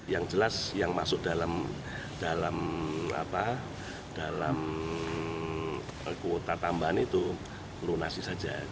yang jelas yang masuk dalam kuota tambahan itu lunasi saja